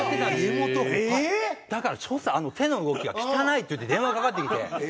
だから所作手の動きが汚いっていって電話かかってきて。